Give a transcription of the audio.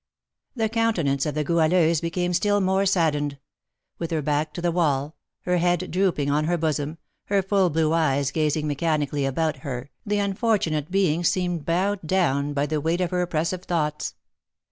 The countenance of the Goualeuse became still more saddened; with her back to the wall, her head drooping on her bosom, her full blue eyes gazing mechanically about her, the unfortunate being seemed bowed down with the weight of her oppressive thoughts.